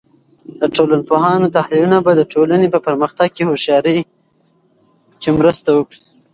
د ټولنپوهانو تحلیلونه به د ټولنې په پرمختګ کې هوښیارۍ کې مرسته وکړي.